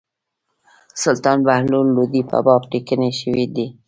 سلطان بهلول لودي په باب لیکني شوي دي.